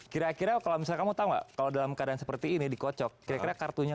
kira kira kalau misalnya kamu tahu nggak kalau dalam keadaan seperti ini dikocok kira kira kartunya